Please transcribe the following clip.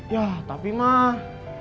yah tapi mah